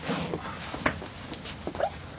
あれ？